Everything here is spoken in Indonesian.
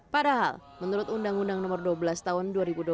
padahal menurut undang undang nomor dua belas tahun dua ribu dua belas